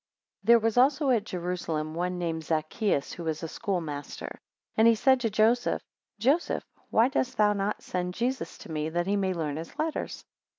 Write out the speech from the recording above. THERE was also at Jerusalem one named Zaccheus, who was a schoolmaster: 2 And he said to Joseph, Joseph, why dost thou not send Jesus to me, that he may learn his letters?